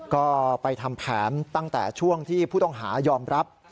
ก็ไปทำแผนตั้งแต่ช่วงที่ผู้ต้องหายอมรับ